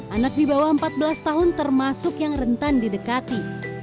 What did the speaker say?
anak di bawah empat belas tahun termasuk yang rentan didekati